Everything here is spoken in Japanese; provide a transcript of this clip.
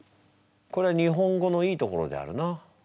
これは日本語のいいところであるな。